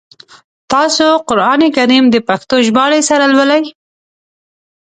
تاسو قرآن کریم د پښتو ژباړي سره لولی ؟